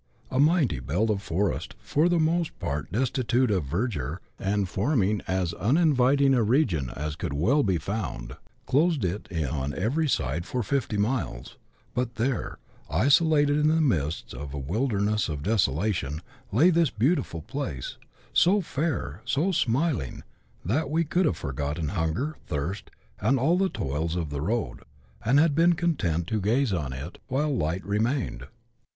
A mighty belt of forest, for the*most part destitute of verdure, and forming as uninviting a region as could well be found, closed it in on every side for fifty miles ; but there, isolated in the midst of a wilderness of desolation, lay this beautiful place, so fair, so smiling, that we could have forgotten hunger, thirst, and all the toils of the road, and been content to gaze on it while light remained.